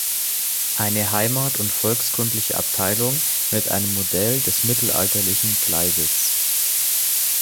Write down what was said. Eine Heimat- und volkskundliche Abteilung mit einem Model des mittelalterlichen Gleiwitz.